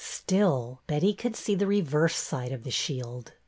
Still, Betty could see the reverse side of the shield.